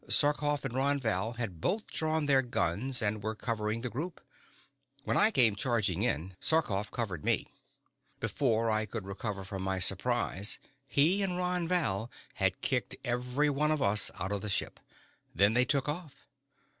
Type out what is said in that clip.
Sarkoff and Ron Val had both drawn their guns and were covering the group. When I came charging in, Sarkoff covered me. Before I could recover from my surprise, he and Ron Val had kicked every one of us out of the ship. Then they took off."